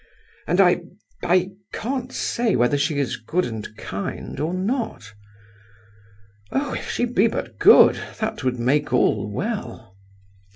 And I—I can't say whether she is good and kind, or not. Oh, if she be but good! That would make all well!"